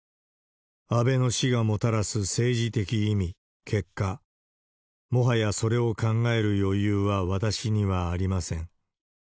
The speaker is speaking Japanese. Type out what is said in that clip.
安倍の死がもたらす政治的意味、結果、もはやそれを考える余裕は、私にはありません。